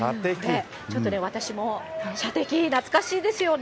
ちょっとね、私も射的、懐かしいですよね。